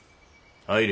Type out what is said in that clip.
入れ。